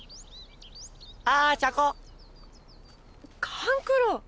勘九郎。